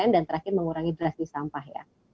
dan terakhir mengurangi drastis sampah